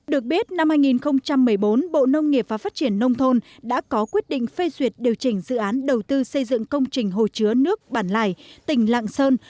được biết năm hai nghìn một mươi bốn bộ nông nghiệp và phát triển nông thôn đã có quyết định phê duyệt điều chỉnh dự án đầu tư xây dựng công trình hồ chứa nước bản lải tỉnh lạng sơn